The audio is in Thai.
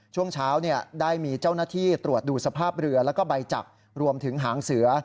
ช่วงเช้าได้มีเจ้าหน้าที่ตรวจดูสภาพเรือแล้วก็ใบจักรรวมถึงหางเสือ